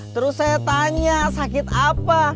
terus saya tanya sakit apa